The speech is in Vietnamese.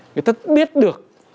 người ta biết được